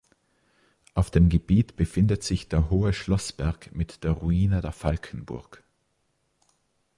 Auf dem Gebiet befindet sich der hohe Schloßberg mit der Ruine der Falkenburg.